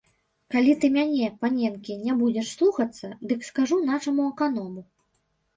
Калі ты мяне, паненкі, не будзеш слухацца, дык скажу нашаму аканому.